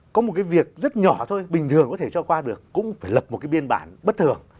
có một cái việc rất nhỏ thôi bình thường có thể cho qua được cũng phải lập một cái biên bản bất thường